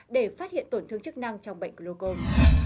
để phát hiện tổn thương chức năng trong bệnh glocom